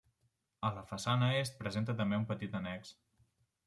A la façana est presenta també un petit annex.